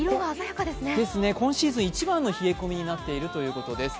今シーズン一番の冷え込みになっているということです。